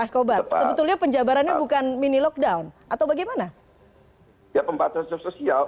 maskobat sebetulnya penjabarannya bukan mini lockdown atau bagaimana ya pembatasan sosial